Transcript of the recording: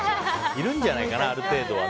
いるんじゃないかな、ある程度は。